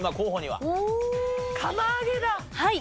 はい。